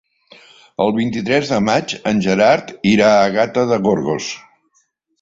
El vint-i-tres de maig en Gerard irà a Gata de Gorgos.